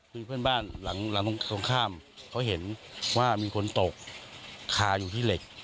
มีเพื่อนบ้านหลังตรงข้ามเขาเห็นว่ามีคนตกคาอยู่ที่เหล็ก